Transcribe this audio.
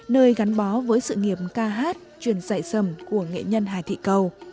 nơi gắn bó với sự nghiệp ca hát truyền dạy sầm của nghệ nhân hà thị cầu